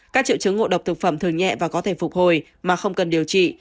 các triệu chứng ngộ độc thực phẩm thường nhẹ và có thể phục hồi mà không cần điều trị